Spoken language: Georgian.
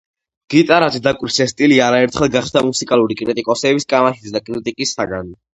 გიტარაზე დაკვრის ეს სტილი არაერთხელ გახდა მუსიკალური კრიტიკოსების კამათისა და კრიტიკის საგანი.